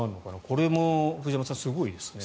これも藤山さん、すごいですね。